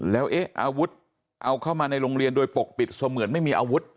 แล้วเอ๊ะอาวุธเอาเข้ามาในโรงเรียนโดยปกปิดเสมือนไม่มีอาวุธ